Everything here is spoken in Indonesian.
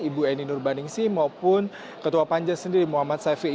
ibu eni nur baningsi maupun ketua panja sendiri muhammad saifi